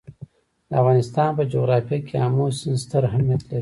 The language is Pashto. د افغانستان په جغرافیه کې آمو سیند ستر اهمیت لري.